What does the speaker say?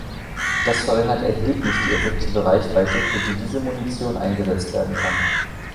Das verringert erheblich die effektive Reichweite, für die diese Munition eingesetzt werden kann.